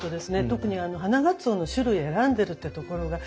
特にあの花がつおの種類選んでるっていうところが。